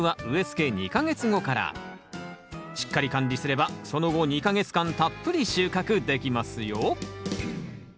しっかり管理すればその後２か月間たっぷり収穫できますよ。